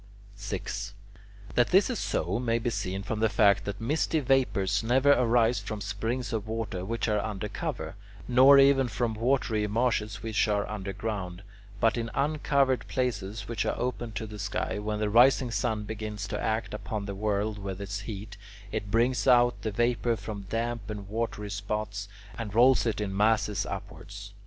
6. That this is so may be seen from the fact that misty vapours never arise from springs of water which are under cover, nor even from watery marshes which are underground; but in uncovered places which are open to the sky, when the rising sun begins to act upon the world with its heat, it brings out the vapour from damp and watery spots, and rolls it in masses upwards.